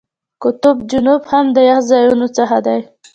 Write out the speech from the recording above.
قطب جنوب هم د یخ ځایونو څخه دی.